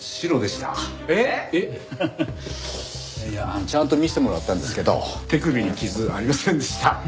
いやちゃんと見せてもらったんですけど手首に傷ありませんでした。